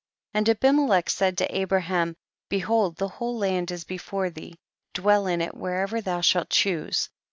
26. And Abimelech said to Abra ham, behold the whole land is before thee, dwell in it wherever thou shalt choose.